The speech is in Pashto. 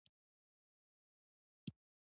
شتمن هغه دی چې د خپل مال له برکته نور ژوندي ساتي.